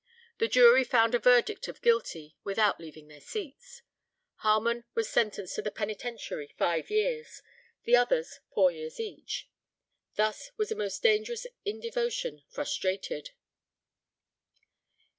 The jury found a verdict of guilty, without leaving their seats. Harmon was sentenced to the penitentiary five years; the others four years each. Thus was a most dangerous indevotion frustrated.